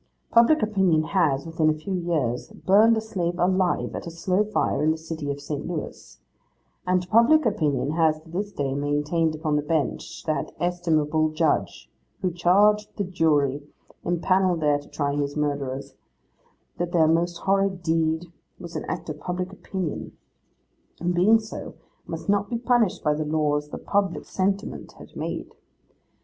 Public opinion has, within a few years, burned a slave alive at a slow fire in the city of St. Louis; and public opinion has to this day maintained upon the bench that estimable judge who charged the jury, impanelled there to try his murderers, that their most horrid deed was an act of public opinion, and being so, must not be punished by the laws the public sentiment had made.